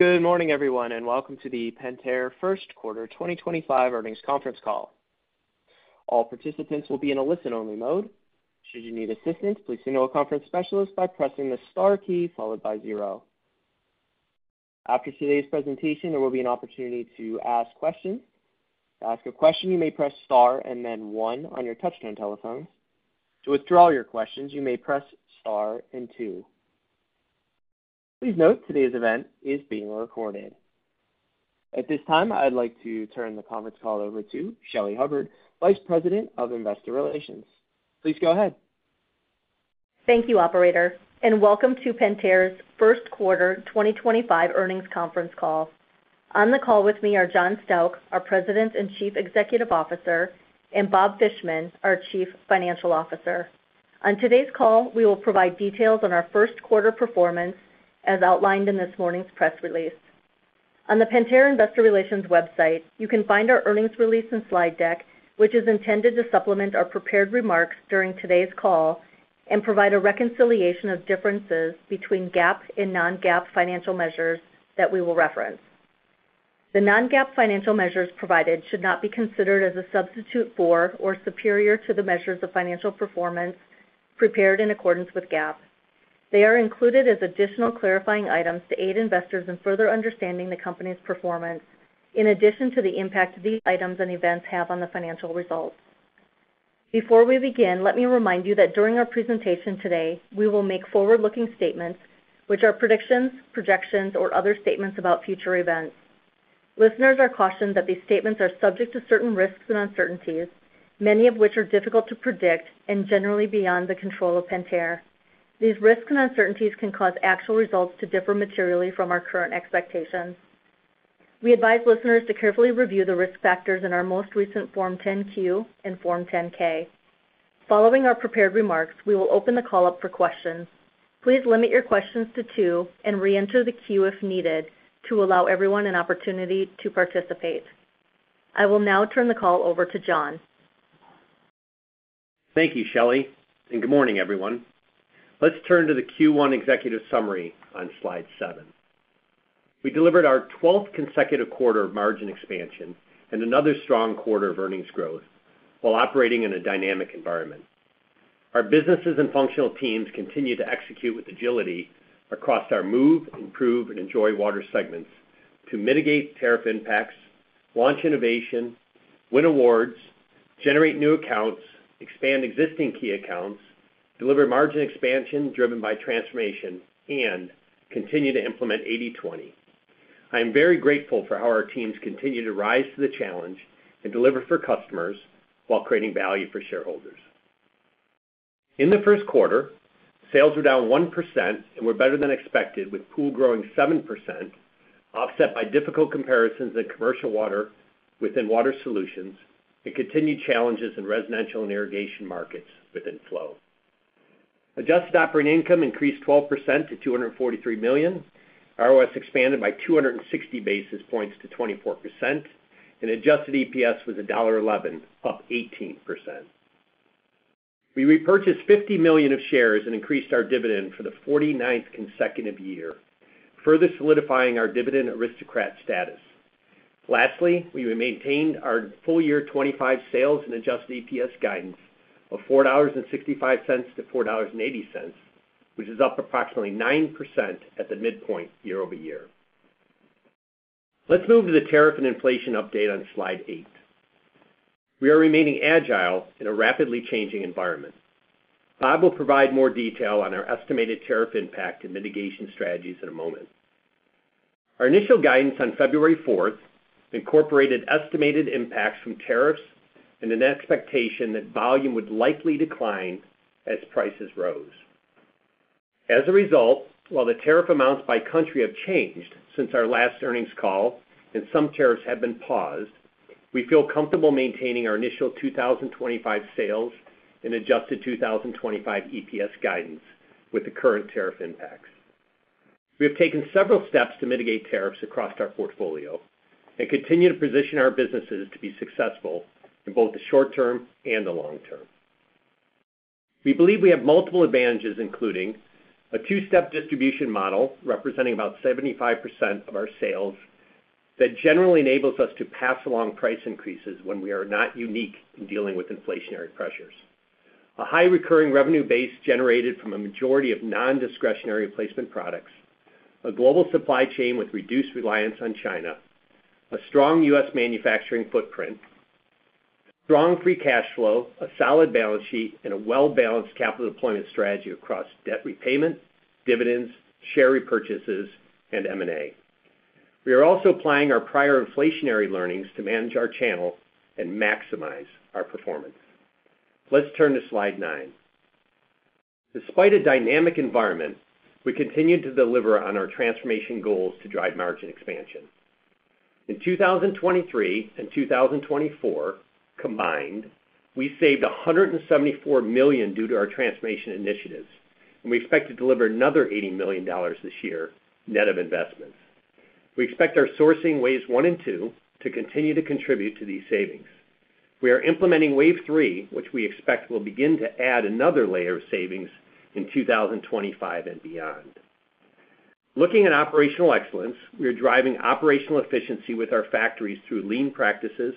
Good morning, everyone, and welcome to the Pentair First Quarter 2025 earnings conference call. All participants will be in a listen-only mode. Should you need assistance, please signal a conference specialist by pressing the star key followed by zero. After today's presentation, there will be an opportunity to ask questions. To ask a question, you may press star and then one on your touch-tone telephones. To withdraw your questions, you may press star and two. Please note today's event is being recorded. At this time, I'd like to turn the conference call over to Shelly Hubbard, Vice President of Investor Relations. Please go ahead. Thank you, Operator, and welcome to Pentair's First Quarter 2025 earnings conference call. On the call with me are John Stauch, our President and Chief Executive Officer, and Bob Fishman, our Chief Financial Officer. On today's call, we will provide details on our first quarter performance as outlined in this morning's press release. On the Pentair Investor Relations website, you can find our earnings release and slide deck, which is intended to supplement our prepared remarks during today's call and provide a reconciliation of differences between GAAP and non-GAAP financial measures that we will reference. The non-GAAP financial measures provided should not be considered as a substitute for or superior to the measures of financial performance prepared in accordance with GAAP. They are included as additional clarifying items to aid investors in further understanding the company's performance, in addition to the impact these items and events have on the financial results. Before we begin, let me remind you that during our presentation today, we will make forward-looking statements, which are predictions, projections, or other statements about future events. Listeners are cautioned that these statements are subject to certain risks and uncertainties, many of which are difficult to predict and generally beyond the control of Pentair. These risks and uncertainties can cause actual results to differ materially from our current expectations. We advise listeners to carefully review the risk factors in our most recent Form 10Q and Form 10K. Following our prepared remarks, we will open the call up for questions. Please limit your questions to two and re-enter the queue if needed to allow everyone an opportunity to participate. I will now turn the call over to John. Thank you, Shelly, and good morning, everyone. Let's turn to the Q1 executive summary on slide seven. We delivered our 12th consecutive quarter of margin expansion and another strong quarter of earnings growth while operating in a dynamic environment. Our businesses and functional teams continue to execute with agility across our Move, Improve, and Enjoy water segments to mitigate tariff impacts, launch innovation, win awards, generate new accounts, expand existing key accounts, deliver margin expansion driven by transformation, and continue to implement 80/20. I am very grateful for how our teams continue to rise to the challenge and deliver for customers while creating value for shareholders. In the first quarter, sales were down 1% and were better than expected, with Pool growing 7%, offset by difficult comparisons in Commercial water within Water Solutions and continued challenges in Residential and irrigation markets within Flow. Adjusted operating income increased 12% to $243 million. ROS expanded by 260 basis points to 24%, and adjusted EPS was $1.11, up 18%. We repurchased $50 million of shares and increased our dividend for the 49th consecutive year, further solidifying our dividend aristocrat status. Lastly, we maintained our full year 2025 sales and adjusted EPS guidance of $4.65-$4.80, which is up approximately 9% at the midpoint year over year. Let's move to the tariff and inflation update on slide eight. We are remaining agile in a rapidly changing environment. Bob will provide more detail on our estimated tariff impact and mitigation strategies in a moment. Our initial guidance on February 4th incorporated estimated impacts from tariffs and an expectation that volume would likely decline as prices rose. As a result, while the tariff amounts by country have changed since our last earnings call and some tariffs have been paused, we feel comfortable maintaining our initial 2025 sales and adjusted 2025 EPS guidance with the current tariff impacts. We have taken several steps to mitigate tariffs across our portfolio and continue to position our businesses to be successful in both the short term and the long term. We believe we have multiple advantages, including a two-step distribution model representing about 75% of our sales that generally enables us to pass along price increases when we are not unique in dealing with inflationary pressures. A high recurring revenue base generated from a majority of non-discretionary replacement products, a global supply chain with reduced reliance on China, a strong U.S. Manufacturing footprint, strong free cash Flow, a solid balance sheet, and a well-balanced capital deployment strategy across debt repayment, dividends, share repurchases, and M&A. We are also applying our prior inflationary learnings to manage our channel and maximize our performance. Let's turn to slide nine. Despite a dynamic environment, we continue to deliver on our transformation goals to drive margin expansion. In 2023 and 2024 combined, we saved $174 million due to our transformation initiatives, and we expect to deliver another $80 million this year net of investments. We expect our sourcing waves one and two to continue to contribute to these savings. We are implementing wave three, which we expect will begin to add another layer of savings in 2025 and beyond. Looking at operational excellence, we are driving operational efficiency with our factories through lean practices,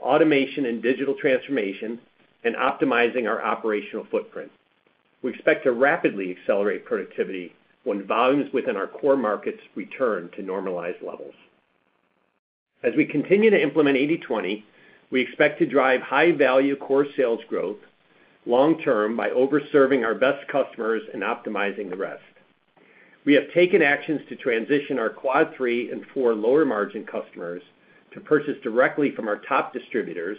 automation and digital transformation, and optimizing our operational footprint. We expect to rapidly accelerate productivity when volumes within our core markets return to normalized levels. As we continue to implement 80/20, we expect to drive high-value core sales growth long-term by overserving our best customers and optimizing the rest. We have taken actions to transition our Quad 3 and 4 lower margin customers to purchase directly from our top distributors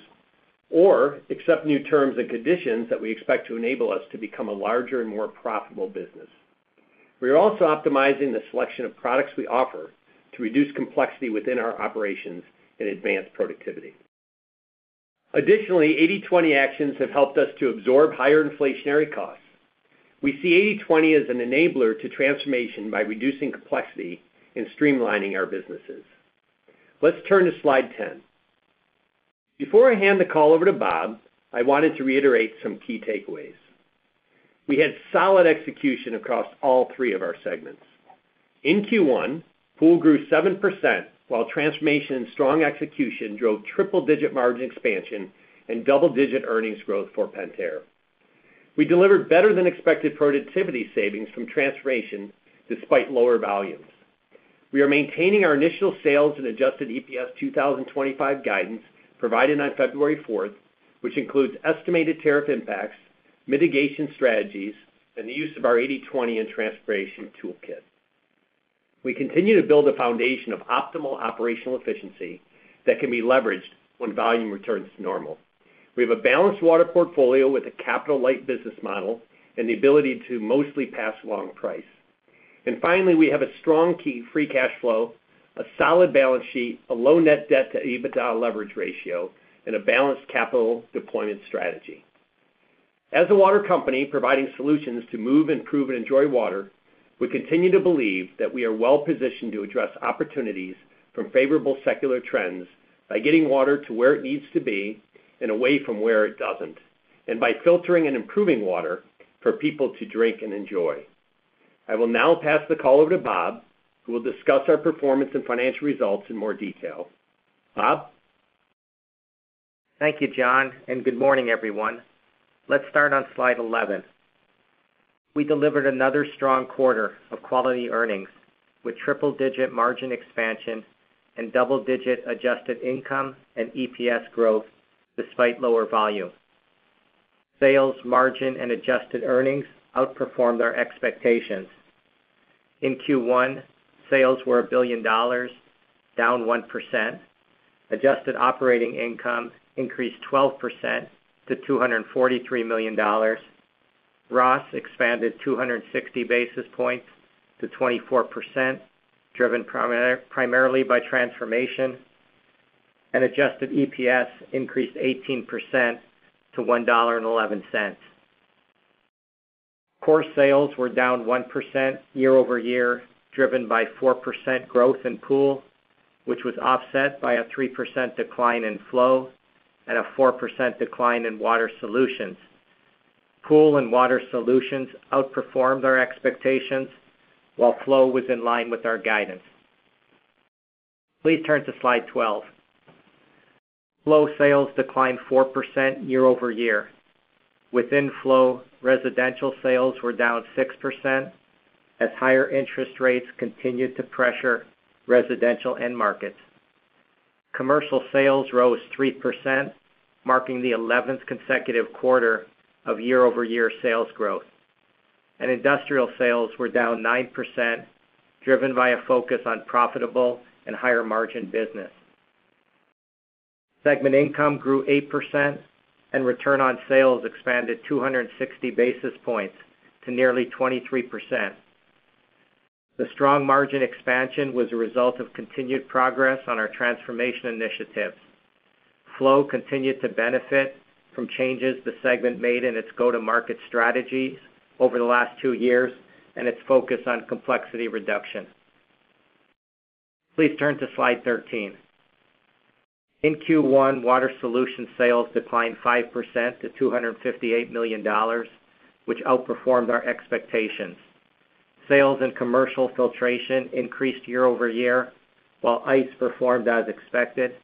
or accept new terms and conditions that we expect to enable us to become a larger and more profitable business. We are also optimizing the selection of products we offer to reduce complexity within our operations and advance productivity. Additionally, 80/20 actions have helped us to absorb higher inflationary costs. We see 80/20 as an enabler to transformation by reducing complexity and streamlining our businesses. Let's turn to slide 10. Before I hand the call over to Bob, I wanted to reiterate some key takeaways. We had solid execution across all three of our segments. In Q1, Pool grew 7% while transformation and strong execution drove triple-digit margin expansion and double-digit earnings growth for Pentair. We delivered better-than-expected productivity savings from transformation despite lower volumes. We are maintaining our initial sales and adjusted EPS 2025 guidance provided on February 4th, which includes estimated tariff impacts, mitigation strategies, and the use of our 80/20 and transformation toolkit. We continue to build a foundation of optimal operational efficiency that can be leveraged when volume returns to normal. We have a balanced water portfolio with a capital-light business model and the ability to mostly pass along price. Finally, we have strong free cash Flow, a solid balance sheet, a low net debt to EBITDA leverage ratio, and a balanced capital deployment strategy. As a water company providing solutions to Move, Improve, and Enjoy water, we continue to believe that we are well-positioned to address opportunities from favorable secular trends by getting water to where it needs to be and away from where it does not, and by filtering and improving water for people to drink and enjoy. I will now pass the call over to Bob, who will discuss our performance and financial results in more detail. Bob. Thank you, John, and good morning, everyone. Let's start on slide 11. We delivered another strong quarter of quality earnings with triple-digit margin expansion and double-digit adjusted income and EPS growth despite lower volume. Sales, margin, and adjusted earnings outperformed our expectations. In Q1, sales were $1 billion, down 1%. Adjusted operating income increased 12% to $243 million. ROS expanded 260 basis points to 24%, driven primarily by transformation, and adjusted EPS increased 18% to $1.11. Core sales were down 1% year over year, driven by 4% growth in Pool, which was offset by a 3% decline in Flow and a 4% decline in Water Solutions. Pool and Water Solutions outperformed our expectations while Flow was in line with our guidance. Please turn to slide 12. Flow sales declined 4% year over year. Within Flow, residential sales were down 6% as higher interest rates continued to pressure residential and markets. Commercial sales rose 3%, marking the 11th consecutive quarter of year-over-year sales growth. Industrial sales were down 9%, driven by a focus on profitable and higher-margin business. Segment income grew 8%, and return on sales expanded 260 basis points to nearly 23%. The strong margin expansion was a result of continued progress on our transformation initiatives. Flow continued to benefit from changes the segment made in its go-to-market strategies over the last two years and its focus on complexity reduction. Please turn to slide 13. In Q1, water solution sales declined 5% to $258 million, which outperformed our expectations. Sales in Commercial Filtration increased year-over-year, while Ice performed as expected,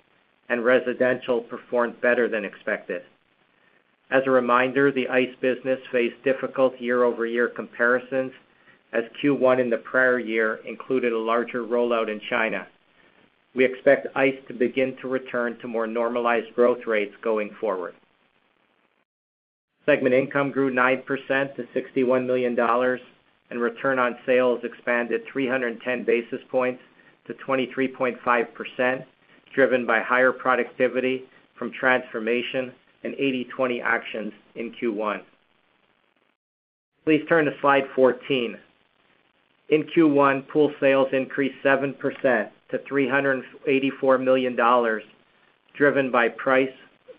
and residential performed better than expected. As a reminder, the Ice business faced difficult year-over-year comparisons as Q1 in the prior year included a larger rollout in China. We expect Ice to begin to return to more normalized growth rates going forward. Segment income grew 9% to $61 million, and return on sales expanded 310 basis points to 23.5%, driven by higher productivity from transformation and 80/20 actions in Q1. Please turn to slide 14. In Q1, Pool sales increased 7% to $384 million, driven by price,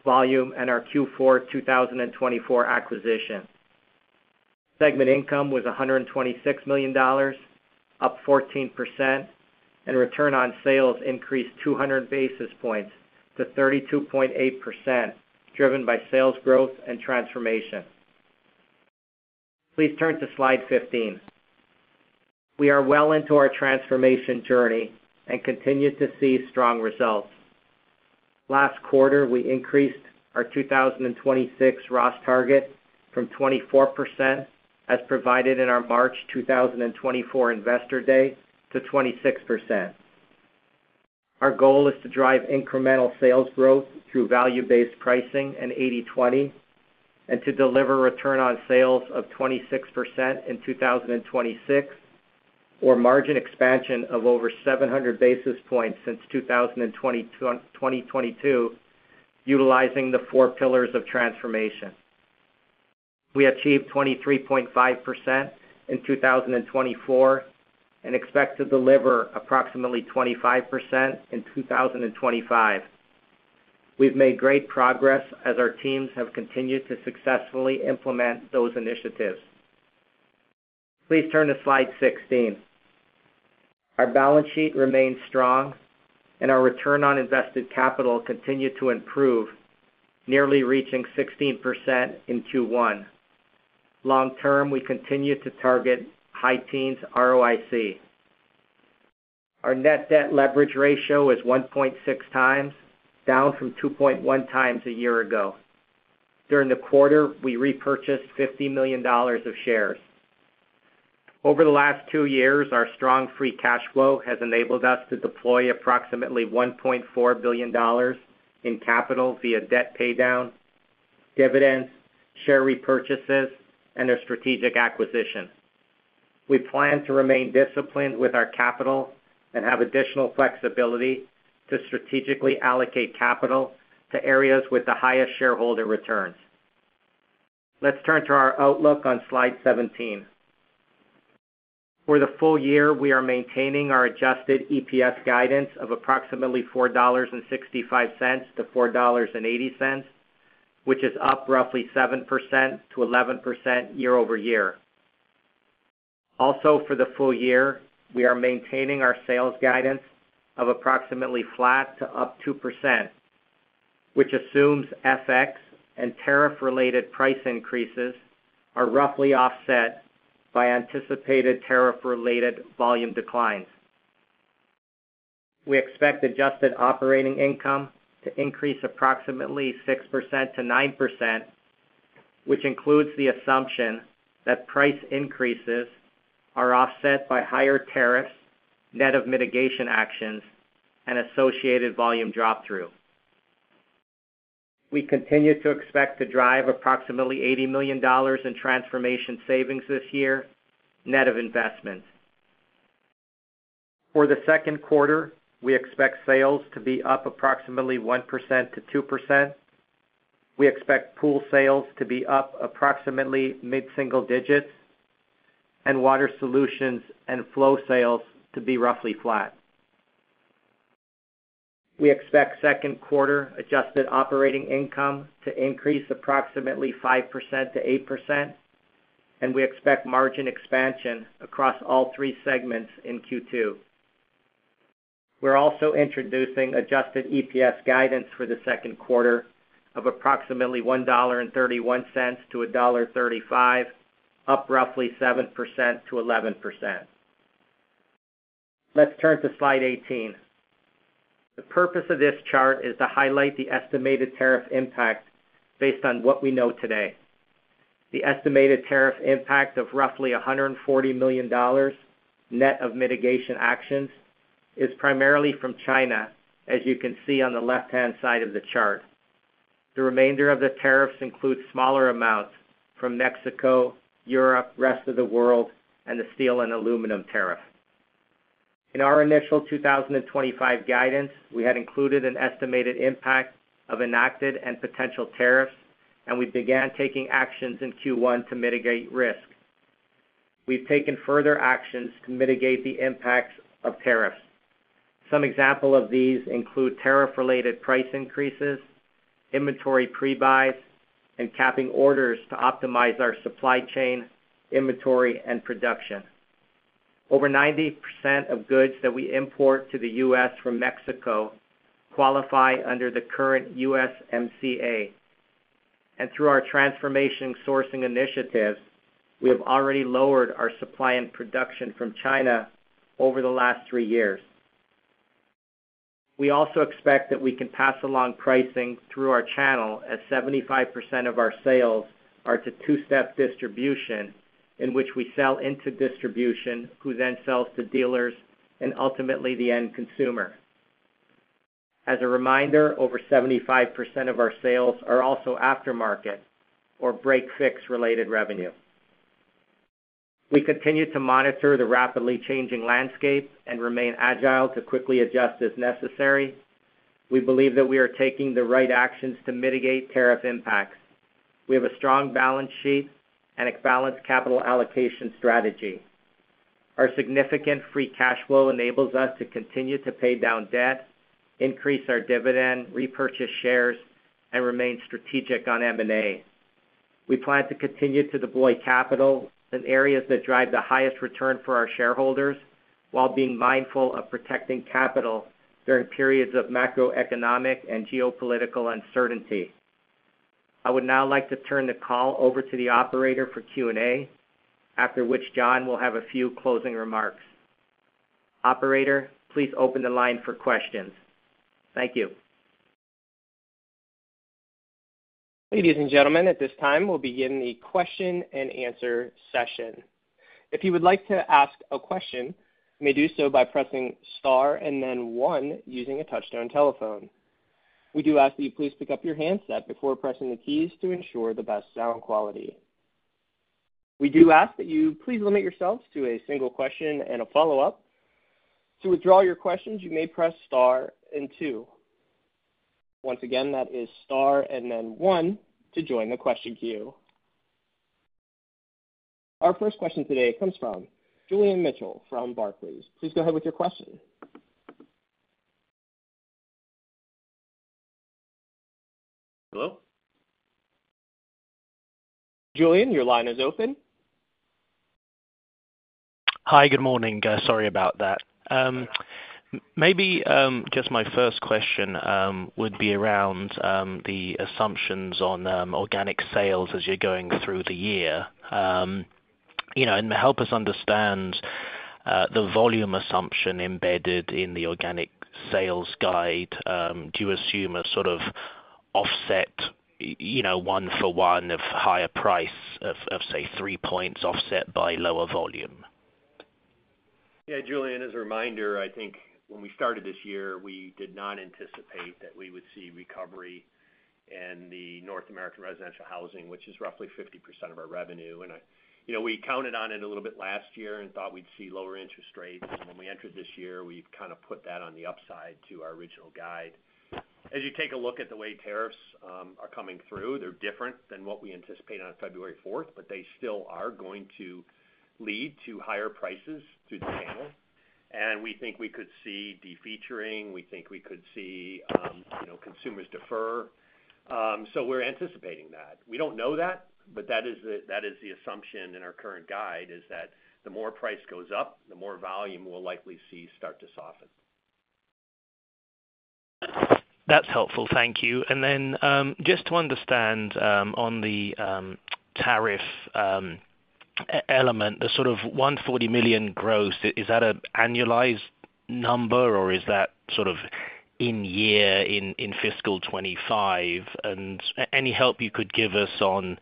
volume, and our Q4 2024 acquisition. Segment income was $126 million, up 14%, and return on sales increased 200 basis points to 32.8%, driven by sales growth and transformation. Please turn to slide 15. We are well into our transformation journey and continue to see strong results. Last quarter, we increased our 2026 ROS target from 24%, as provided in our March 2024 investor day, to 26%. Our goal is to drive incremental sales growth through value-based pricing and 80/20, and to deliver return on sales of 26% in 2026, or margin expansion of over 700 basis points since 2022, utilizing the four pillars of transformation. We achieved 23.5% in 2024 and expect to deliver approximately 25% in 2025. We've made great progress as our teams have continued to successfully implement those initiatives. Please turn to slide 16. Our balance sheet remains strong, and our return on invested capital continued to improve, nearly reaching 16% in Q1. Long-term, we continue to target high teens ROIC. Our net debt leverage ratio is 1.6 times, down from 2.1 times a year ago. During the quarter, we repurchased $50 million of shares. Over the last two years, our strong free cash Flow has enabled us to deploy approximately $1.4 billion in capital via debt paydown, dividends, share repurchases, and our strategic acquisition. We plan to remain disciplined with our capital and have additional flexibility to strategically allocate capital to areas with the highest shareholder returns. Let's turn to our outlook on slide 17. For the full year, we are maintaining our adjusted EPS guidance of approximately $4.65-$4.80, which is up roughly 7%-11% year-over-year. Also, for the full year, we are maintaining our sales guidance of approximately flat to up 2%, which assumes FX and tariff-related price increases are roughly offset by anticipated tariff-related volume declines. We expect adjusted operating income to increase approximately 6%-9%, which includes the assumption that price increases are offset by higher tariffs, net of mitigation actions, and associated volume drop through. We continue to expect to drive approximately $80 million in transformation savings this year, net of investments. For the second quarter, we expect sales to be up approximately 1%-2%. We expect Pool sales to be up approximately mid-single digits, and water solutions and Flow sales to be roughly flat. We expect second quarter adjusted operating income to increase approximately 5%-8%, and we expect margin expansion across all three segments in Q2. We're also introducing adjusted EPS guidance for the second quarter of approximately $1.31-$1.35, up roughly 7%-11%. Let's turn to slide 18. The purpose of this chart is to highlight the estimated tariff impact based on what we know today. The estimated tariff impact of roughly $140 million net of mitigation actions is primarily from China, as you can see on the left-hand side of the chart. The remainder of the tariffs includes smaller amounts from Mexico, Europe, the rest of the world, and the steel and aluminum tariff. In our initial 2025 guidance, we had included an estimated impact of enacted and potential tariffs, and we began taking actions in Q1 to mitigate risk. We have taken further actions to mitigate the impacts of tariffs. Some examples of these include tariff-related price increases, inventory prebuys, and capping orders to optimize our supply chain, inventory, and production. Over 90% of goods that we import to the U.S. from Mexico qualify under the current USMCA. Through our transformation sourcing initiatives, we have already lowered our supply and production from China over the last three years. We also expect that we can pass along pricing through our channel as 75% of our sales are to two-step distribution, in which we sell into distribution, who then sells to dealers, and ultimately the end consumer. As a reminder, over 75% of our sales are also aftermarket or break-fix-related revenue. We continue to monitor the rapidly changing landscape and remain agile to quickly adjust as necessary. We believe that we are taking the right actions to mitigate tariff impacts. We have a strong balance sheet and a balanced capital allocation strategy. Our significant free cash Flow enables us to continue to pay down debt, increase our dividend, repurchase shares, and remain strategic on M&A. We plan to continue to deploy capital in areas that drive the highest return for our shareholders while being mindful of protecting capital during periods of macroeconomic and geopolitical uncertainty. I would now like to turn the call over to the operator for Q&A, after which John will have a few closing remarks. Operator, please open the line for questions. Thank you. Ladies and gentlemen, at this time, we'll begin the question-and-answer session. If you would like to ask a question, you may do so by pressing star and then one using a touch-tone telephone. We do ask that you please pick up your handset before pressing the keys to ensure the best sound quality. We do ask that you please limit yourselves to a single question and a follow-up. To withdraw your questions, you may press star and two. Once again, that is star and then one to join the question queue. Our first question today comes from Julian Mitchell from Barclays. Please go ahead with your question. Hello? Julian, your line is open. Hi, good morning. Sorry about that. Maybe just my first question would be around the assumptions on organic sales as you're going through the year. Help us understand the volume assumption embedded in the organic sales guide. Do you assume a sort of offset one-for-one of higher price of, say, three points offset by lower volume? Yeah, Julian, as a reminder, I think when we started this year, we did not anticipate that we would see recovery in the North American residential housing, which is roughly 50% of our revenue. We counted on it a little bit last year and thought we'd see lower interest rates. When we entered this year, we've kind of put that on the upside to our original guide. As you take a look at the way tariffs are coming through, they're different than what we anticipate on February 4th, but they still are going to lead to higher prices through the channel. We think we could see defeaturing. We think we could see consumers defer. We are anticipating that. We do not know that, but that is the assumption in our current guide, that the more price goes up, the more volume we'll likely see start to soften. That's helpful. Thank you. Just to understand on the tariff element, the sort of $140 million gross, is that an annualized number, or is that sort of in year in fiscal 2025? Any help you could give us on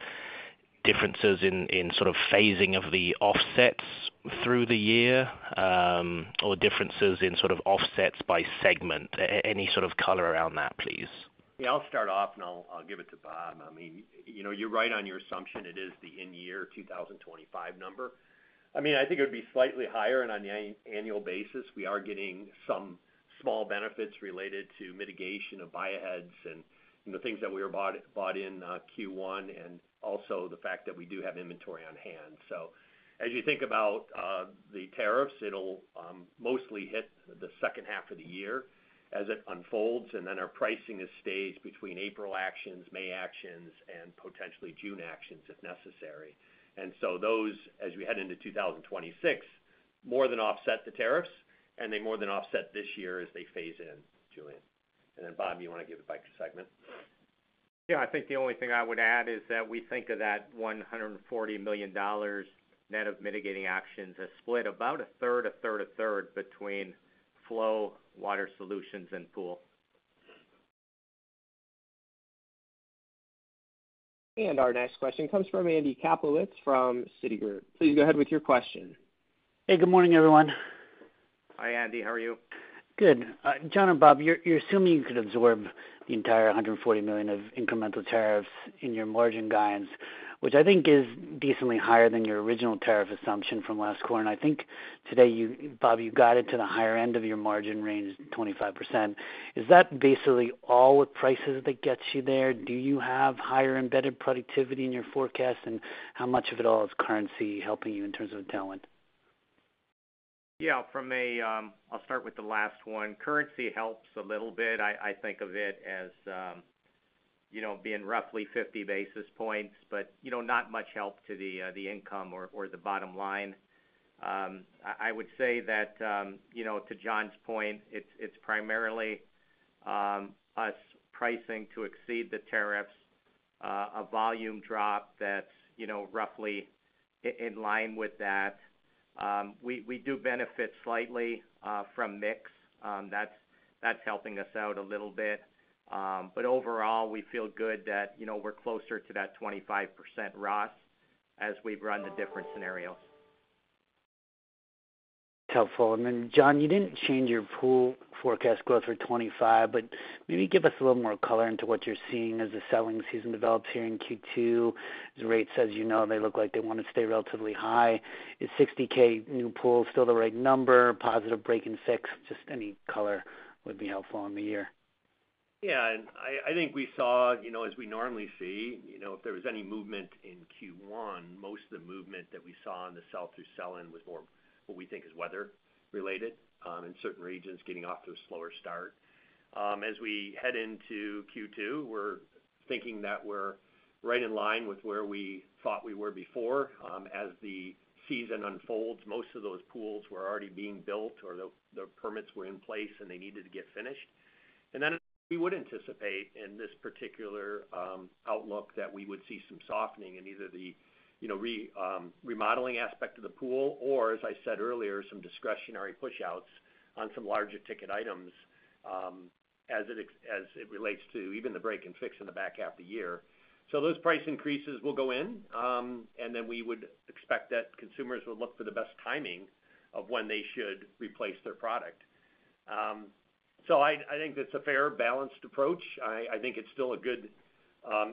differences in sort of phasing of the offsets through the year, or differences in sort of offsets by segment? Any sort of color around that, please? Yeah, I'll start off, and I'll give it to Bob. I mean, you're right on your assumption. It is the in-year 2025 number. I mean, I think it would be slightly higher on an annual basis. We are getting some small benefits related to mitigation of buy-aheads and the things that we were bought in Q1, and also the fact that we do have inventory on hand. As you think about the tariffs, it'll mostly hit the second half of the year as it unfolds, and then our pricing is staged between April actions, May actions, and potentially June actions if necessary. Those, as we head into 2026, more than offset the tariffs, and they more than offset this year as they phase in, Julian. Bob, you want to give it back to segment? Yeah, I think the only thing I would add is that we think of that $140 million net of mitigating actions as split about a third, a third, a third between Flow, Water Solutions, and Pool. Our next question comes from Andy Kaplowitz from Citigroup. Please go ahead with your question. Hey, good morning, everyone. Hi, Andy. How are you? Good. John and Bob, you're assuming you could absorb the entire $140 million of incremental tariffs in your margin guidance, which I think is decently higher than your original tariff assumption from last quarter. I think today, Bob, you got it to the higher end of your margin range, 25%. Is that basically all with prices that gets you there? Do you have higher embedded productivity in your forecast, and how much of it all is currency helping you in terms of talent? Yeah, from a—I’ll start with the last one. Currency helps a little bit. I think of it as being roughly 50 basis points, but not much help to the income or the bottom line. I would say that to John’s point, it’s primarily us pricing to exceed the tariffs, a volume drop that’s roughly in line with that. We do benefit slightly from mix. That’s helping us out a little bit. Overall, we feel good that we’re closer to that 25% ROS as we’ve run the different scenarios. That's helpful. John, you didn't change your Pool forecast growth for 2025, but maybe give us a little more color into what you're seeing as the selling season develops here in Q2. The rates, as you know, they look like they want to stay relatively high. Is 60,000 new Pool's still the right number? Positive break and fix? Just any color would be helpful on the year. Yeah, and I think we saw, as we normally see, if there was any movement in Q1, most of the movement that we saw on the sell-through sell-in was more what we think is weather-related in certain regions getting off to a slower start. As we head into Q2, we're thinking that we're right in line with where we thought we were before. As the season unfolds, most of those Pool's were already being built or the permits were in place, and they needed to get finished. We would anticipate in this particular outlook that we would see some softening in either the remodeling aspect of the Pool or, as I said earlier, some discretionary push-outs on some larger ticket items as it relates to even the break and fix in the back half of the year. Those price increases will go in, and then we would expect that consumers will look for the best timing of when they should replace their product. I think that's a fair balanced approach. I think it's still a good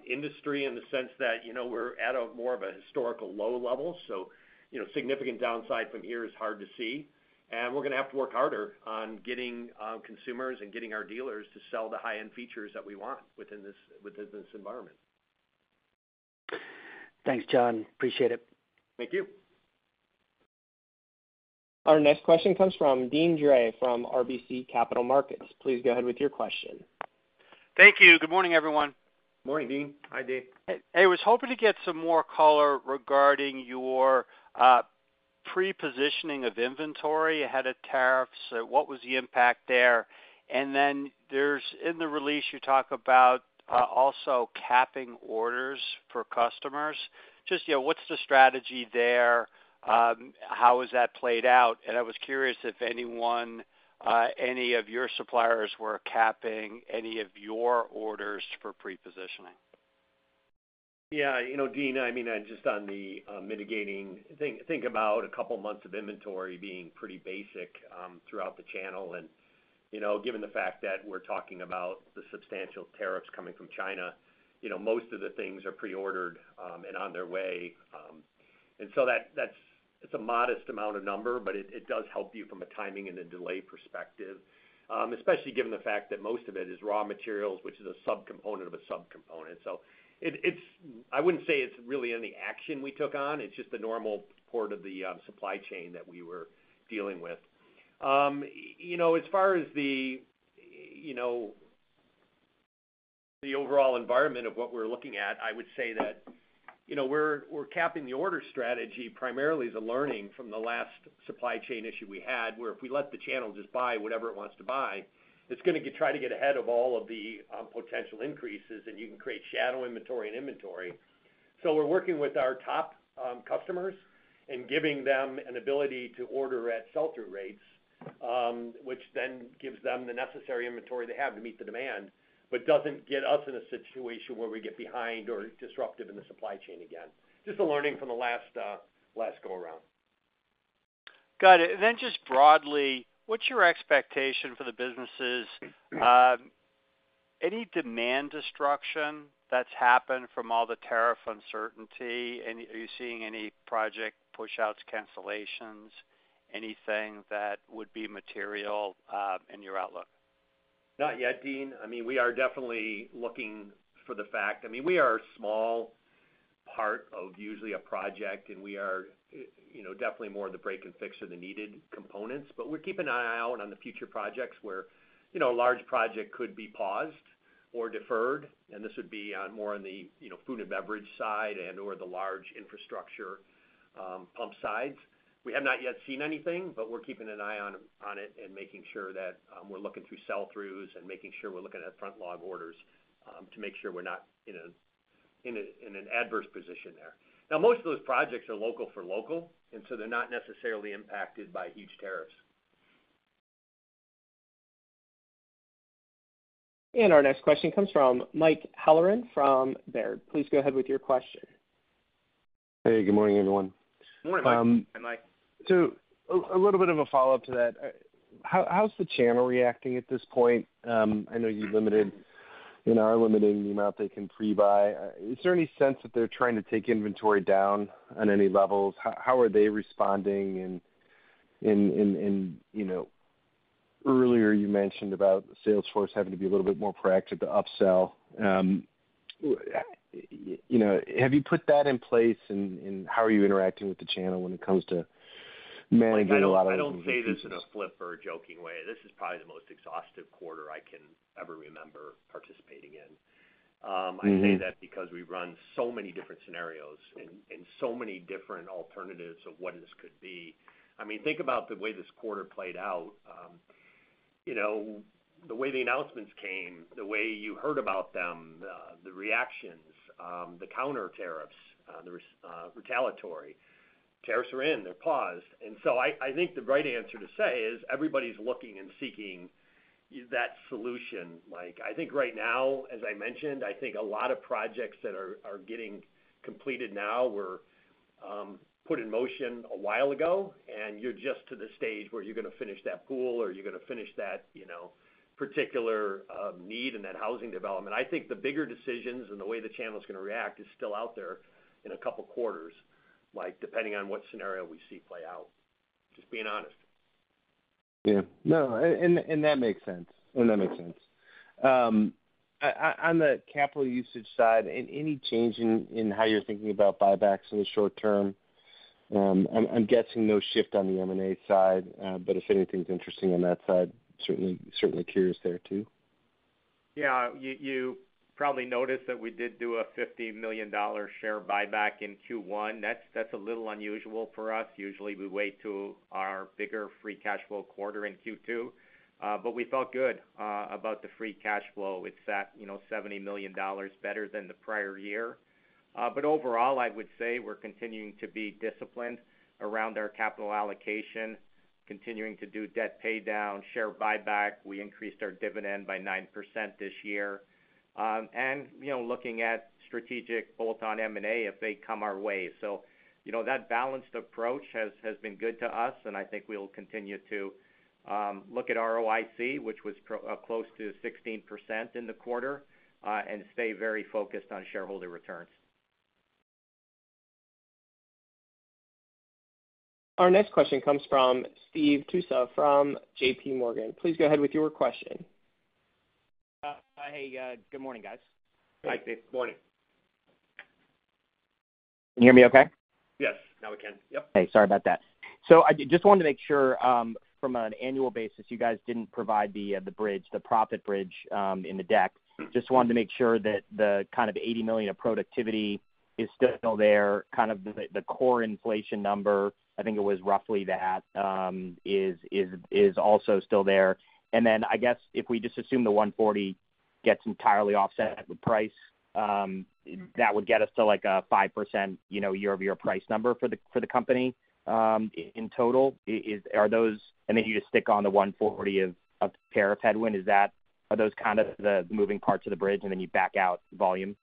industry in the sense that we're at more of a historical low level. Significant downside from here is hard to see. We're going to have to work harder on getting consumers and getting our dealers to sell the high-end features that we want within this environment. Thanks, John. Appreciate it. Thank you. Our next question comes from Deane Dray from RBC Capital Markets. Please go ahead with your question. Thank you. Good morning, everyone. Morning, Deane. Hi, Deane. Hey, I was hoping to get some more color regarding your pre-positioning of inventory ahead of tariffs. What was the impact there? In the release, you talk about also capping orders for customers. Just what's the strategy there? How has that played out? I was curious if any of your suppliers were capping any of your orders for pre-positioning. Yeah, Dean, I mean, just on the mitigating thing, think about a couple of months of inventory being pretty basic throughout the channel. Given the fact that we're talking about the substantial tariffs coming from China, most of the things are pre-ordered and on their way. It is a modest amount of number, but it does help you from a timing and a delay perspective, especially given the fact that most of it is raw materials, which is a subcomponent of a subcomponent. I wouldn't say it's really any action we took on. It's just the normal part of the supply chain that we were dealing with. As far as the overall environment of what we're looking at, I would say that we're capping the order strategy primarily as a learning from the last supply chain issue we had, where if we let the channel just buy whatever it wants to buy, it's going to try to get ahead of all of the potential increases, and you can create shadow inventory and inventory. We are working with our top customers and giving them an ability to order at sell-through rates, which then gives them the necessary inventory they have to meet the demand, but does not get us in a situation where we get behind or disruptive in the supply chain again. Just a learning from the last go-around. Got it. Then just broadly, what's your expectation for the businesses? Any demand destruction that's happened from all the tariff uncertainty? Are you seeing any project push-outs, cancellations, anything that would be material in your outlook? Not yet, Deane. I mean, we are definitely looking for the fact. I mean, we are a small part of usually a project, and we are definitely more of the break and fix than the needed components. We are keeping an eye out on the future projects where a large project could be paused or deferred. This would be more on the food and beverage side and/or the large infrastructure pump sides. We have not yet seen anything, but we are keeping an eye on it and making sure that we are looking through sell-throughs and making sure we are looking at front-log orders to make sure we are not in an adverse position there. Most of those projects are local for local, and so they are not necessarily impacted by huge tariffs. Our next question comes from Mike Halloran from Baird. Please go ahead with your question. Hey, good morning, everyone. Good morning, Mike. Hi, Mike. A little bit of a follow-up to that. How's the channel reacting at this point? I know you're limited, and are limiting the amount they can pre-buy. Is there any sense that they're trying to take inventory down on any levels? How are they responding? Earlier, you mentioned about Salesforce having to be a little bit more proactive to upsell. Have you put that in place, and how are you interacting with the channel when it comes to managing a lot of these? I do not say this in a flip or a joking way. This is probably the most exhaustive quarter I can ever remember participating in. I say that because we have run so many different scenarios and so many different alternatives of what this could be. I mean, think about the way this quarter played out. The way the announcements came, the way you heard about them, the reactions, the counter tariffs, the retaliatory tariffs are in. They are paused. I think the right answer to say is everybody is looking and seeking that solution. I think right now, as I mentioned, I think a lot of projects that are getting completed now were put in motion a while ago, and you are just to the stage where you are going to finish that Pool or you are going to finish that particular need and that housing development. I think the bigger decisions and the way the channel is going to react is still out there in a couple of quarters, depending on what scenario we see play out. Just being honest. Yeah. No, that makes sense. That makes sense. On the capital usage side, any change in how you're thinking about buy-backs in the short term? I'm guessing no shift on the M&A side, but if anything's interesting on that side, certainly curious there too. Yeah, you probably noticed that we did do a $50 million share buyback in Q1. That's a little unusual for us. Usually, we wait to our bigger free cash Flow quarter in Q2, but we felt good about the free cash Flow. It's that $70 million better than the prior year. Overall, I would say we're continuing to be disciplined around our capital allocation, continuing to do debt pay down, share buyback. We increased our dividend by 9% this year. Looking at strategic bolt-on M&A if they come our way. That balanced approach has been good to us, and I think we'll continue to look at ROIC, which was close to 16% in the quarter, and stay very focused on shareholder returns. Our next question comes from Steve Tusa from JP Morgan. Please go ahead with your question. Hey, good morning, guys. Hi, good morning. Can you hear me okay? Yes, now we can. Yep. Hey, sorry about that. I just wanted to make sure from an annual basis, you guys didn't provide the bridge, the profit bridge in the deck. I just wanted to make sure that the kind of $80 million of productivity is still there. The core inflation number, I think it was roughly that, is also still there. I guess if we just assume the $140 million gets entirely offset with price, that would get us to like a 5% year-over-year price number for the company in total. Then you just stick on the $140 million of tariff headwind. Are those kind of the moving parts of the bridge, and then you back out volume?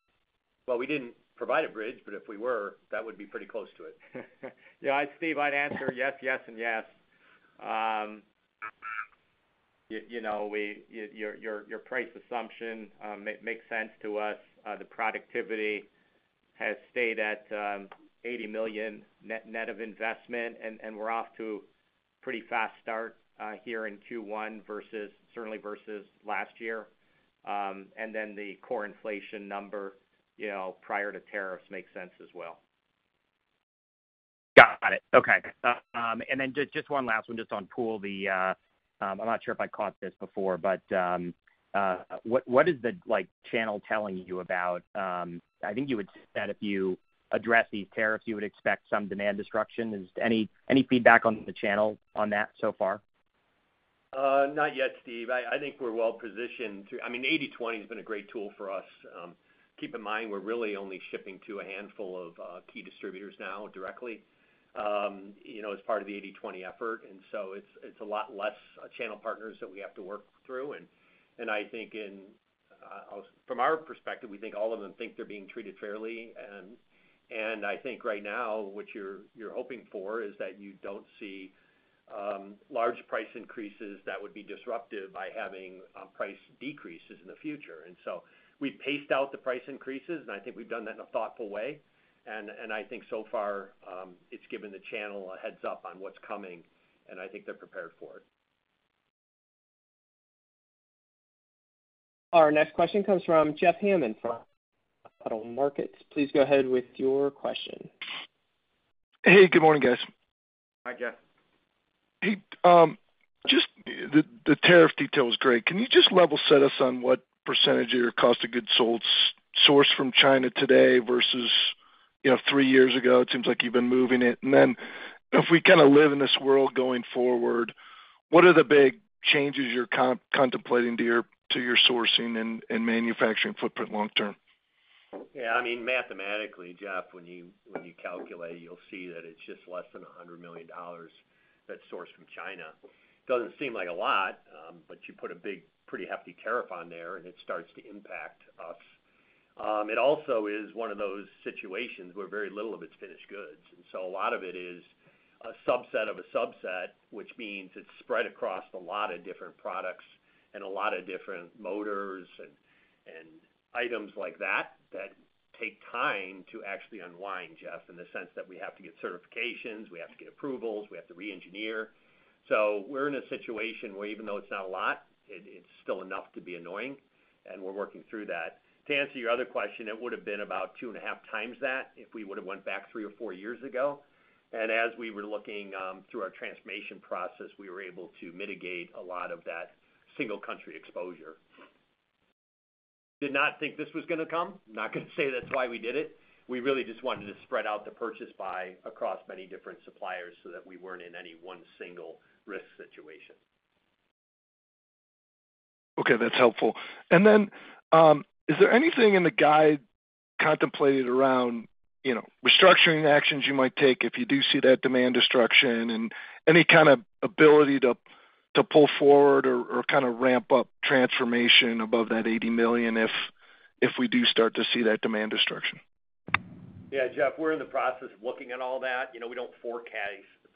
We did not provide a bridge, but if we were, that would be pretty close to it. Yeah, Steve, I'd answer yes, yes, and yes. Your price assumption makes sense to us. The productivity has stayed at $80 million net of investment, and we're off to a pretty fast start here in Q1, certainly versus last year. The core inflation number prior to tariffs makes sense as well. Got it. Okay. Just one last one, just on Pool. I'm not sure if I caught this before, but what is the channel telling you about? I think you had said if you address these tariffs, you would expect some demand destruction. Any feedback on the channel on that so far? Not yet, Steve. I think we're well positioned to—I mean, 80/20 has been a great tool for us. Keep in mind, we're really only shipping to a handful of key distributors now directly as part of the 80/20 effort. It is a lot less channel partners that we have to work through. I think from our perspective, we think all of them think they're being treated fairly. I think right now, what you're hoping for is that you don't see large price increases that would be disruptive by having price decreases in the future. We have paced out the price increases, and I think we've done that in a thoughtful way. I think so far, it's given the channel a heads-up on what's coming, and I think they're prepared for it. Our next question comes from Jeff Hammond from Capital Markets. Please go ahead with your question. Hey, good morning, guys. Hi, Jeff. Hey. Just the tariff detail is great. Can you just level set us on what percentage of your cost of goods sold sourced from China today versus three years ago? It seems like you've been moving it. If we kind of live in this world going forward, what are the big changes you're contemplating to your sourcing and manufacturing footprint long-term? Yeah. I mean, mathematically, Jeff, when you calculate, you'll see that it's just less than $100 million that's sourced from China. Doesn't seem like a lot, but you put a big, pretty hefty tariff on there, and it starts to impact us. It also is one of those situations where very little of it's finished goods. A lot of it is a subset of a subset, which means it's spread across a lot of different products and a lot of different motors and items like that that take time to actually unwind, Jeff, in the sense that we have to get certifications, we have to get approvals, we have to re-engineer. We are in a situation where even though it's not a lot, it's still enough to be annoying. We are working through that. To answer your other question, it would have been about two and a half times that if we would have went back three or four years ago. As we were looking through our transformation process, we were able to mitigate a lot of that single country exposure. Did not think this was going to come. I'm not going to say that's why we did it. We really just wanted to spread out the purchase by across many different suppliers so that we weren't in any one single risk situation. Okay. That's helpful. Is there anything in the guide contemplated around restructuring actions you might take if you do see that demand destruction and any kind of ability to pull forward or kind of ramp up transformation above that $80 million if we do start to see that demand destruction? Yeah, Jeff, we're in the process of looking at all that. We don't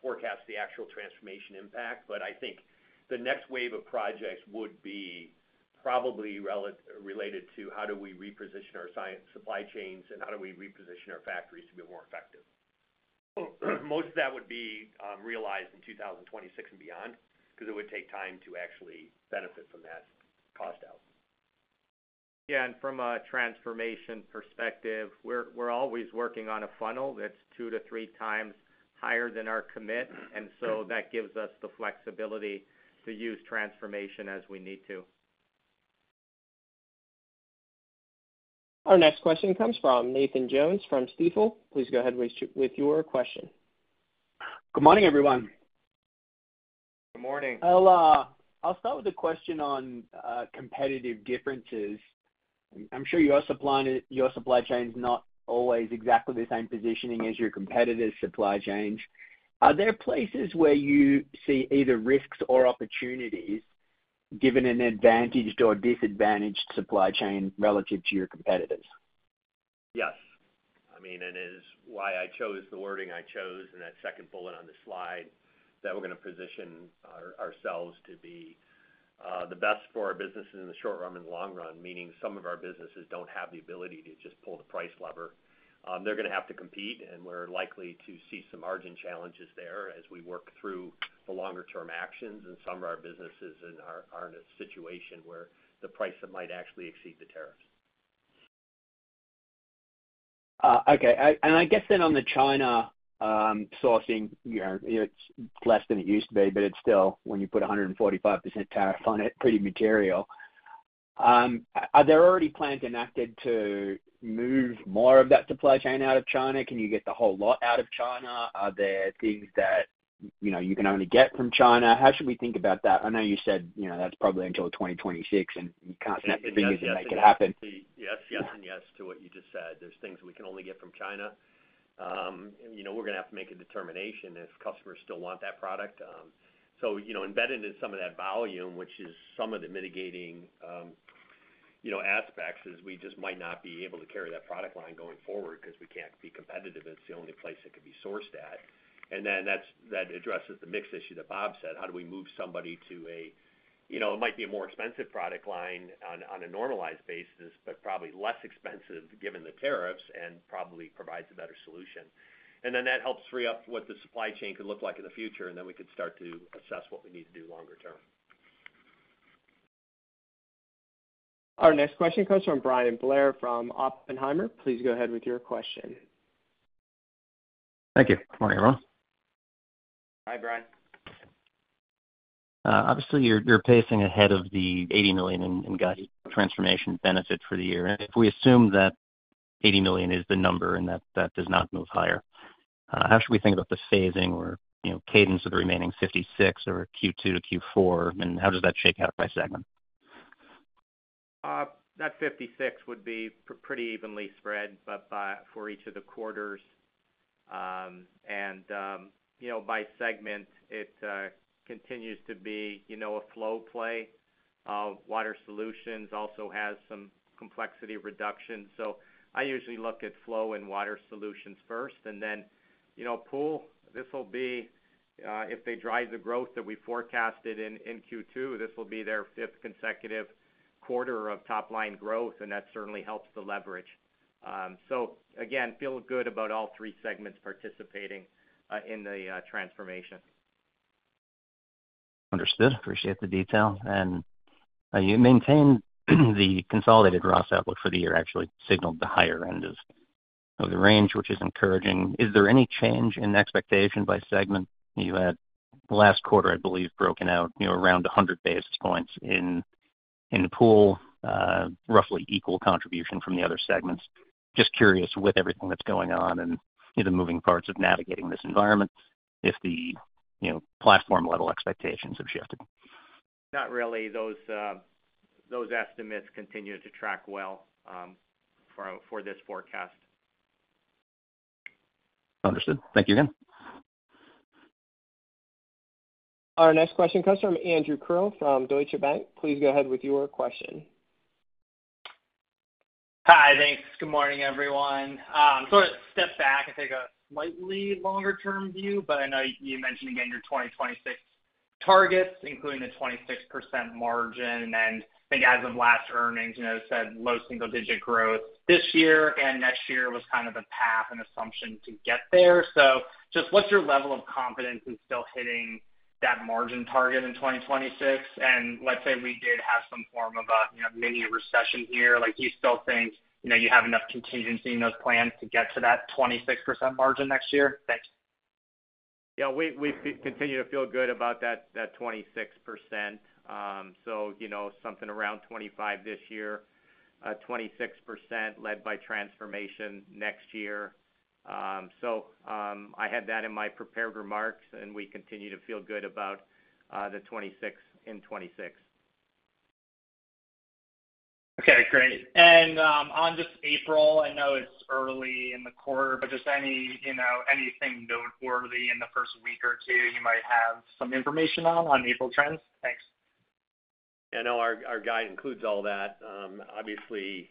forecast the actual transformation impact, but I think the next wave of projects would be probably related to how do we reposition our supply chains and how do we reposition our factories to be more effective. Most of that would be realized in 2026 and beyond because it would take time to actually benefit from that cost out. Yeah. From a transformation perspective, we're always working on a funnel that's two to three times higher than our commit. That gives us the flexibility to use transformation as we need to. Our next question comes from Nathan Jones from Stifel. Please go ahead with your question. Good morning, everyone. Good morning. I'll start with a question on competitive differences. I'm sure your supply chain is not always exactly the same positioning as your competitive supply chains. Are there places where you see either risks or opportunities given an advantaged or disadvantaged supply chain relative to your competitors? Yes. I mean, and it is why I chose the wording I chose in that second bullet on the slide that we're going to position ourselves to be the best for our businesses in the short run and the long run, meaning some of our businesses don't have the ability to just pull the price lever. They're going to have to compete, and we're likely to see some margin challenges there as we work through the longer-term actions. Some of our businesses are in a situation where the price might actually exceed the tariffs. Okay. I guess then on the China sourcing, it's less than it used to be, but it's still, when you put 145% tariff on it, pretty material. Are there already plans enacted to move more of that supply chain out of China? Can you get the whole lot out of China? Are there things that you can only get from China? How should we think about that? I know you said that's probably until 2026, and you can't snap your fingers and make it happen. Yes. Yes and yes to what you just said. There are things we can only get from China. We are going to have to make a determination if customers still want that product. Embedded in some of that volume, which is some of the mitigating aspects, is we just might not be able to carry that product line going forward because we cannot be competitive. It is the only place it could be sourced at. That addresses the mix issue that Bob said. How do we move somebody to a—it might be a more expensive product line on a normalized basis, but probably less expensive given the tariffs and probably provides a better solution. That helps free up what the supply chain could look like in the future, and we could start to assess what we need to do longer term. Our next question comes from Bryan Blair from Oppenheimer. Please go ahead with your question. Thank you. Morning, everyone. Hi, Brian. Obviously, you're pacing ahead of the $80 million in guide transformation benefit for the year. If we assume that $80 million is the number and that does not move higher, how should we think about the phasing or cadence of the remaining $56 million for Q2 to Q4? How does that shake out by segment? That 56 would be pretty evenly spread for each of the quarters. By segment, it continues to be a Flow play. Water solutions also has some complexity reduction. I usually look at Flow and water solutions first. Pool, this will be if they drive the growth that we forecasted in Q2, this will be their fifth consecutive quarter of top-line growth, and that certainly helps the leverage. I feel good about all three segments participating in the transformation. Understood. Appreciate the detail. You maintained the consolidated ROS outlook for the year, actually signaled the higher end of the range, which is encouraging. Is there any change in expectation by segment? You had last quarter, I believe, broken out around 100 basis points in Pool, roughly equal contribution from the other segments. Just curious with everything that's going on and the moving parts of navigating this environment if the platform-level expectations have shifted. Not really. Those estimates continue to track well for this forecast. Understood. Thank you again. Our next question comes from Andrew Krill from Deutsche Bank. Please go ahead with your question. Hi, thanks. Good morning, everyone. I'm going to step back and take a slightly longer-term view, but I know you mentioned again your 2026 targets, including the 26% margin. I think as of last earnings, you said low single-digit growth. This year and next year was kind of the path and assumption to get there. Just what's your level of confidence in still hitting that margin target in 2026? Let's say we did have some form of a mini recession here. Do you still think you have enough contingency in those plans to get to that 26% margin next year? Thanks. Yeah. We continue to feel good about that 26%. Something around 25% this year, 26% led by transformation next year. I had that in my prepared remarks, and we continue to feel good about the 26 in 2026. Okay. Great. On just April, I know it's early in the quarter, but just anything noteworthy in the first week or two you might have some information on April trends? Thanks. Yeah. I know our guide includes all that. Obviously,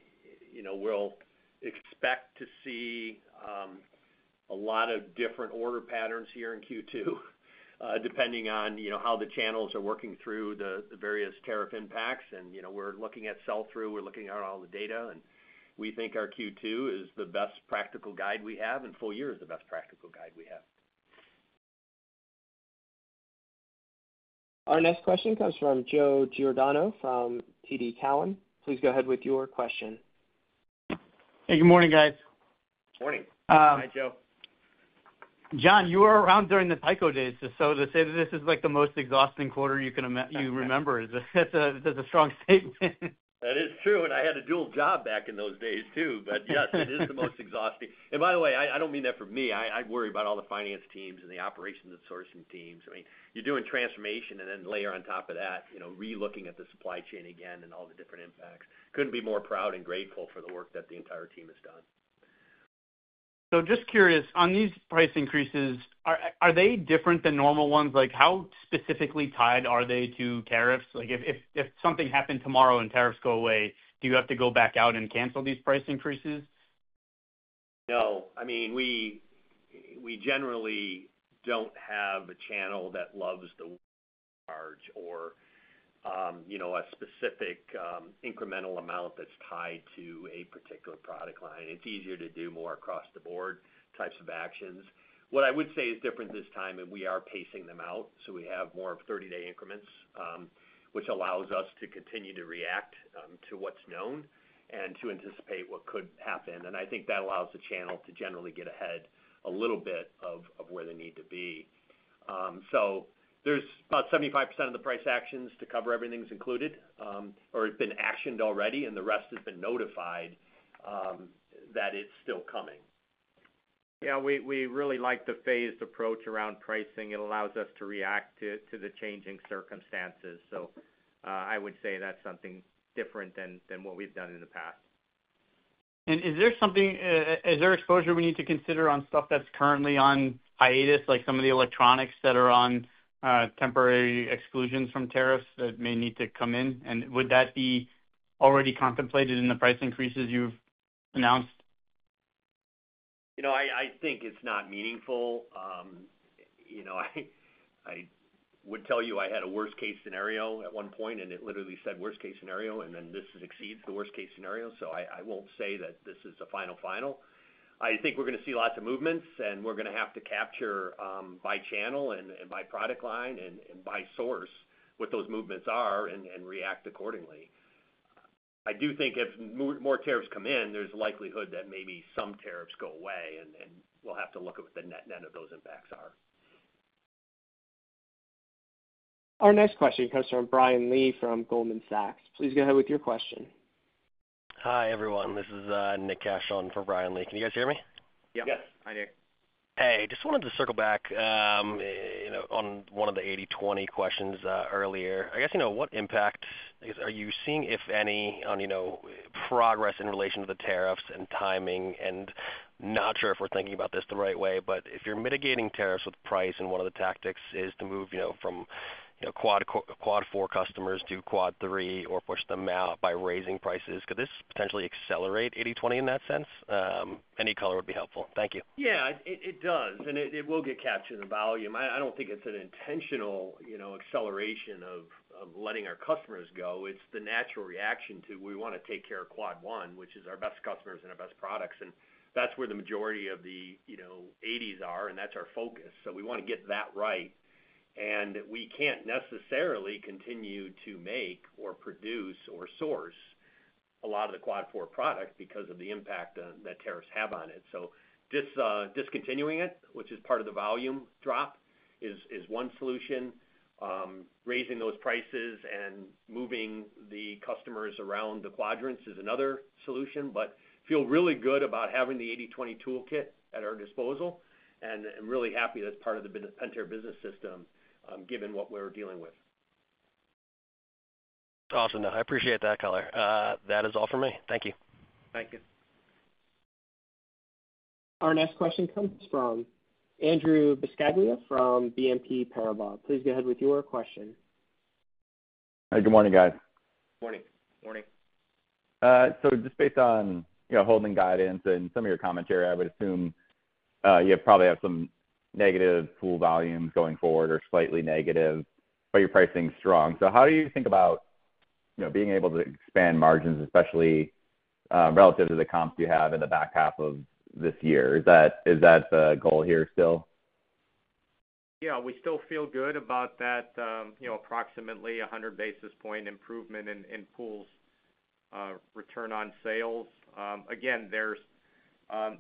we'll expect to see a lot of different order patterns here in Q2, depending on how the channels are working through the various tariff impacts. We're looking at sell-through. We're looking at all the data. We think our Q2 is the best practical guide we have, and full year is the best practical guide we have. Our next question comes from Joe Giordano from TD Cowen. Please go ahead with your question. Hey, good morning, guys. Morning. Hi, Joe. John, you were around during the Tyco days. To say that this is the most exhausting quarter you remember is a strong statement. That is true. I had a dual job back in those days too. Yes, it is the most exhausting. By the way, I do not mean that for me. I worry about all the finance teams and the operations and sourcing teams. I mean, you are doing transformation and then layer on top of that, relooking at the supply chain again and all the different impacts. Could not be more proud and grateful for the work that the entire team has done. Just curious, on these price increases, are they different than normal ones? How specifically tied are they to tariffs? If something happened tomorrow and tariffs go away, do you have to go back out and cancel these price increases? No. I mean, we generally do not have a channel that loves the large or a specific incremental amount that is tied to a particular product line. It is easier to do more across-the-board types of actions. What I would say is different this time, we are pacing them out. We have more of 30-day increments, which allows us to continue to react to what is known and to anticipate what could happen. I think that allows the channel to generally get ahead a little bit of where they need to be. There is about 75% of the price actions to cover everything included or has been actioned already, and the rest has been notified that it is still coming. Yeah. We really like the phased approach around pricing. It allows us to react to the changing circumstances. I would say that's something different than what we've done in the past. Is there exposure we need to consider on stuff that's currently on hiatus, like some of the electronics that are on temporary exclusions from tariffs that may need to come in? Would that be already contemplated in the price increases you've announced? I think it's not meaningful. I would tell you I had a worst-case scenario at one point, and it literally said worst-case scenario, and then this exceeds the worst-case scenario. I won't say that this is a final, final. I think we're going to see lots of movements, and we're going to have to capture by channel and by product line and by source what those movements are and react accordingly. I do think if more tariffs come in, there's a likelihood that maybe some tariffs go away, and we'll have to look at what the net of those impacts are. Our next question comes from Brian Lee from Goldman Sachs. Please go ahead with your question. Hi, everyone. This is Nick Cash on for Brian Lee. Can you guys hear me? Yes. Hi, Nick. Hey. Just wanted to circle back on one of the 80/20 questions earlier. I guess what impact are you seeing, if any, on progress in relation to the tariffs and timing? Not sure if we're thinking about this the right way, but if you're mitigating tariffs with price, one of the tactics is to move from Quad 4 customers to quad three or push them out by raising prices. Could this potentially accelerate 80/20 in that sense? Any color would be helpful. Thank you. Yeah, it does. It will get captured in the volume. I do not think it is an intentional acceleration of letting our customers go. It is the natural reaction to we want to take care of Quad 1, which is our best customers and our best products. That is where the majority of the 80s are, and that is our focus. We want to get that right. We cannot necessarily continue to make or produce or source a lot of the quad four product because of the impact that tariffs have on it. Discontinuing it, which is part of the volume drop, is one solution. Raising those prices and moving the customers around the quadrants is another solution. I feel really good about having the 80/20 toolkit at our disposal and really happy that is part of the Pentair business system given what we are dealing with. Awesome. I appreciate that, Color. That is all for me. Thank you. Thank you. Our next question comes from Andrew Buscaglia from BNP Paribas. Please go ahead with your question. Hi, good morning, guys. Morning. Morning. Just based on holding guidance and some of your commentary, I would assume you probably have some negative Pool volumes going forward or slightly negative, but your pricing is strong. How do you think about being able to expand margins, especially relative to the comps you have in the back half of this year? Is that the goal here still? Yeah. We still feel good about that approximately 100 basis point improvement in Pool's return on sales. Again, there's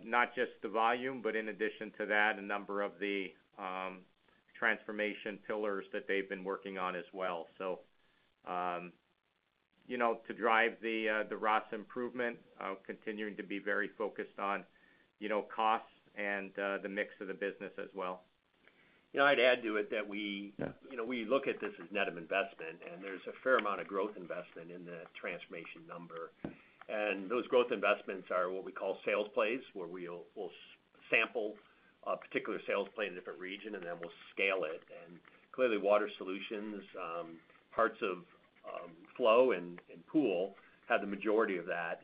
not just the volume, but in addition to that, a number of the transformation pillars that they've been working on as well. To drive the ROS improvement, continuing to be very focused on costs and the mix of the business as well. I'd add to it that we look at this as net of investment, and there's a fair amount of growth investment in the transformation number. Those growth investments are what we call sales plays, where we will sample a particular sales play in a different region, and then we'll scale it. Clearly, water solutions, parts of Flow and Pool have the majority of that.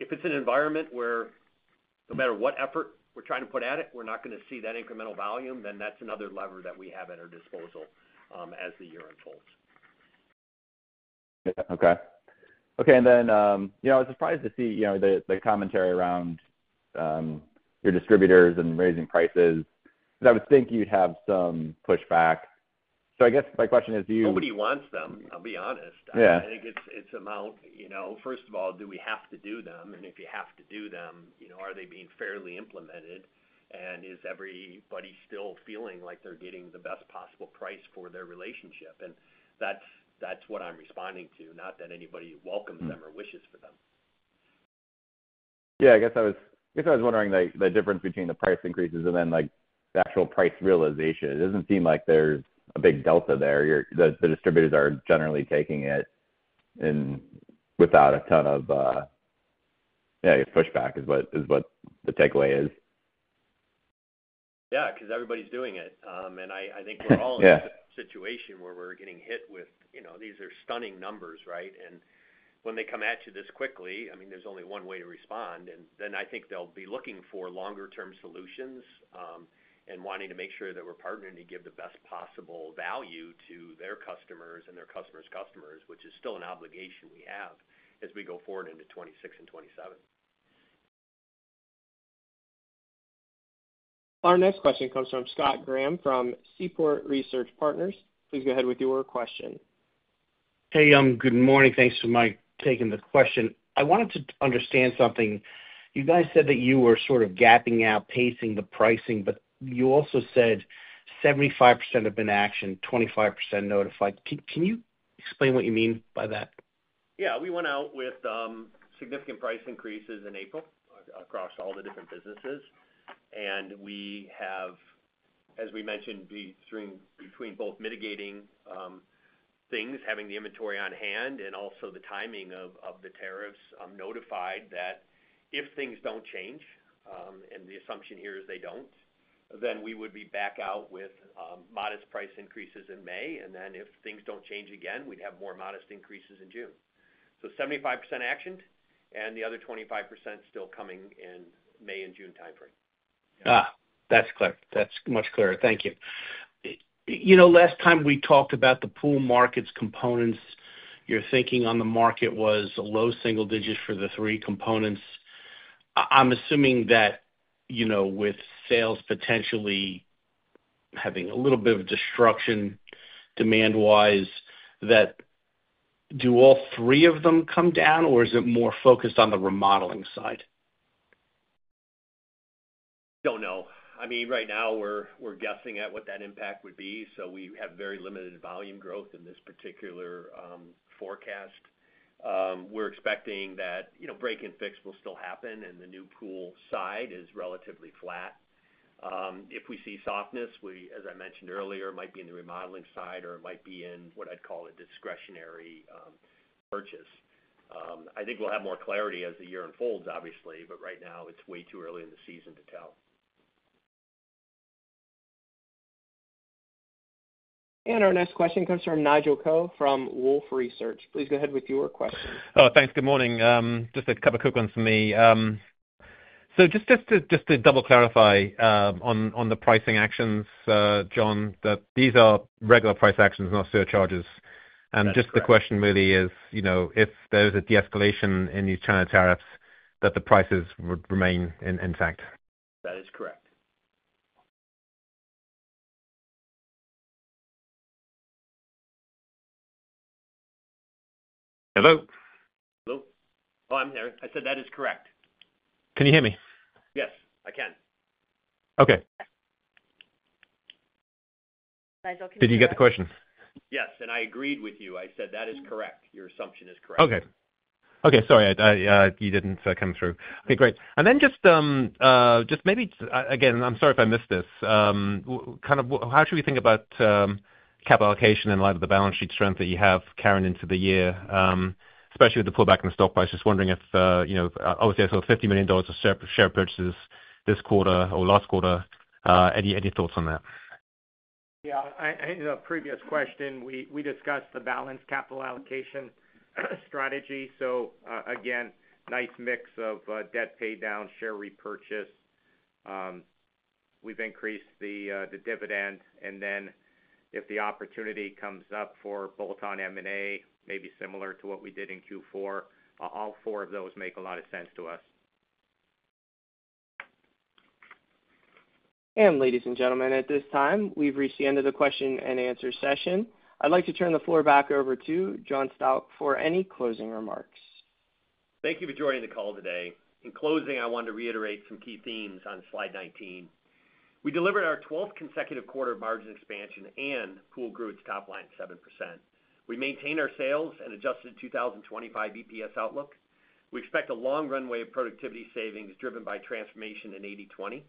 If it's an environment where no matter what effort we're trying to put at it, we're not going to see that incremental volume, then that's another lever that we have at our disposal as the year unfolds. Yeah. Okay. Okay. I was surprised to see the commentary around your distributors and raising prices. I would think you'd have some pushback. I guess my question is you. Nobody wants them, I'll be honest. I think it's about, first of all, do we have to do them? If you have to do them, are they being fairly implemented? Is everybody still feeling like they're getting the best possible price for their relationship? That's what I'm responding to, not that anybody welcomes them or wishes for them. Yeah. I guess I was wondering the difference between the price increases and then the actual price realization. It does not seem like there is a big delta there. The distributors are generally taking it without a ton of, yeah, pushback is what the takeaway is. Yeah. Because everybody's doing it. I think we're all in a situation where we're getting hit with these are stunning numbers, right? When they come at you this quickly, I mean, there's only one way to respond. I think they'll be looking for longer-term solutions and wanting to make sure that we're partnering to give the best possible value to their customers and their customers' customers, which is still an obligation we have as we go forward into 2026 and 2027. Our next question comes from Scott Graham from Seaport Research Partners. Please go ahead with your question. Hey, good morning. Thanks for taking the question. I wanted to understand something. You guys said that you were sort of gapping out, pacing the pricing, but you also said 75% have been actioned, 25% notified. Can you explain what you mean by that? Yeah. We went out with significant price increases in April across all the different businesses. We have, as we mentioned, between both mitigating things, having the inventory on hand, and also the timing of the tariffs, notified that if things do not change, and the assumption here is they do not, we would be back out with modest price increases in May. If things do not change again, we would have more modest increases in June. 75% actioned and the other 25% still coming in May and June timeframe. That's clear. That's much clearer. Thank you. Last time we talked about the Pool market's components, your thinking on the market was a low single digit for the three components. I'm assuming that with sales potentially having a little bit of destruction demand-wise, that do all three of them come down, or is it more focused on the remodeling side? Don't know. I mean, right now, we're guessing at what that impact would be. We have very limited volume growth in this particular forecast. We're expecting that break and fix will still happen, and the new Pool side is relatively flat. If we see softness, as I mentioned earlier, it might be in the remodeling side, or it might be in what I'd call a discretionary purchase. I think we'll have more clarity as the year unfolds, obviously, but right now, it's way too early in the season to tell. Our next question comes from Nigel Coe from Wolfe Research. Please go ahead with your question. Oh, thanks. Good morning. Just a couple of quick ones for me. Just to double-clarify on the pricing actions, John, that these are regular price actions, not surcharges. The question really is if there is a de-escalation in these China tariffs, that the prices would remain intact. That is correct. Hello? Hello. I'm here. I said that is correct. Can you hear me? Yes, I can. Okay. Did you get the question? Yes. I agreed with you. I said that is correct. Your assumption is correct. Okay. Sorry, you did not come through. Okay, great. Just maybe again, I am sorry if I missed this. Kind of how should we think about capital allocation in light of the balance sheet strength that you have carrying into the year, especially with the pullback in the stock price? Just wondering if obviously I saw $50 million of share purchases this quarter or last quarter. Any thoughts on that? Yeah. In the previous question, we discussed the balanced capital allocation strategy. Nice mix of debt paid down, share repurchase. We've increased the dividend. If the opportunity comes up for bolt-on M&A, maybe similar to what we did in Q4, all four of those make a lot of sense to us. Ladies and gentlemen, at this time, we've reached the end of the question and answer session. I'd like to turn the floor back over to John Stauch for any closing remarks. Thank you for joining the call today. In closing, I wanted to reiterate some key themes on slide 19. We delivered our 12th consecutive quarter of margin expansion and Pool grew its top line 7%. We maintained our sales and adjusted 2025 EPS outlook. We expect a long runway of productivity savings driven by transformation in 80/20.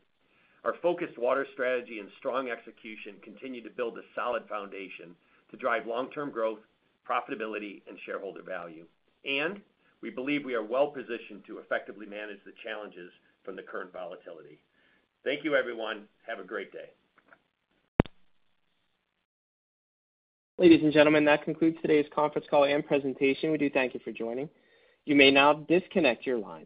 Our focused water strategy and strong execution continue to build a solid foundation to drive long-term growth, profitability, and shareholder value. We believe we are well-positioned to effectively manage the challenges from the current volatility. Thank you, everyone. Have a great day. Ladies and gentlemen, that concludes today's conference call and presentation. We do thank you for joining. You may now disconnect your lines.